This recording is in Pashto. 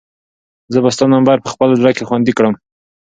زه به ستا نمبر په خپل زړه کې خوندي کړم.